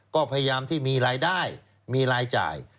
ก็พยายามที่มีรายได้มีรายจ่าย